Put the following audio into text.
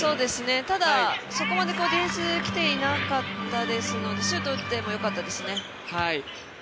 ただ、そこまでディフェンス来ていなかったのでシュート打ってもよかったですね。